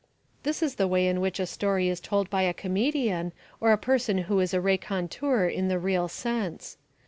This is the way in which a story is told by a comedian or a person who is a raconteur in the real sense.